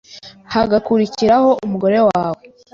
hagakurikiraho umugore wawe